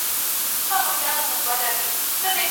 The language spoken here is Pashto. زه لار ورکی مسافر یمه روان یم